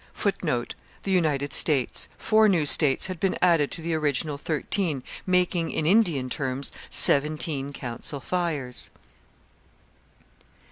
[Footnote: The United States. Four new states had been added to the original thirteen, making, in Indian terms, seventeen council fires.